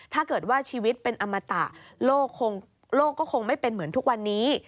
ถ้าเกิดว่าชีวิตเป็นอมตะโลกก็คงไม่เป็นเหมือนทุกวันนี้